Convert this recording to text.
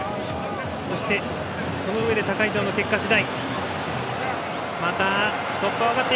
そして、そのうえで他会場の結果次第。